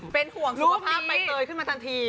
เป็นห่วงสุขภาพใบเตยขึ้นมาทันที